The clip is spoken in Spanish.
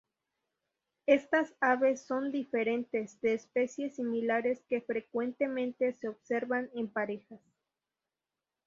Estas aves son diferentes de especies similares que frecuentemente se observan en parejas.